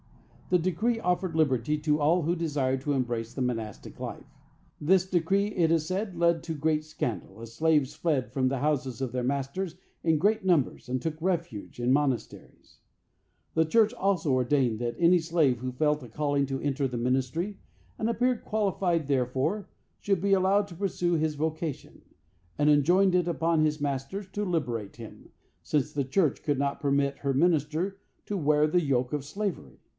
This decree offered liberty to all who desired to embrace the monastic life. This decree, it is said, led to great scandal, as slaves fled from the houses of their masters in great numbers, and took refuge in monasteries. The church also ordained that any slave who felt a calling to enter the ministry, and appeared qualified therefor, should be allowed to pursue his vocation: and enjoined it upon his master to liberate him, since the church could not permit her minister to wear the yoke of slavery.